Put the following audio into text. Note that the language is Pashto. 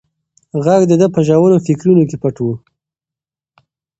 غږ د ده په ژورو فکرونو کې پټ و.